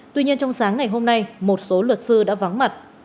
tuy nhiên trong sáng ngày hôm nay một số luật sư đã vắng mặt